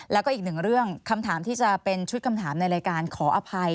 แล้วก็อีกหนึ่งเรื่องคำถามที่จะเป็นชุดคำถามในรายการขออภัย